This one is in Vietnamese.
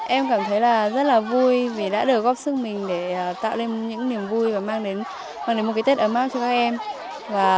em cảm thấy là rất là vui vì đã được góp sức mình để tạo nên những niềm vui và mang đến một cái tết ấm áp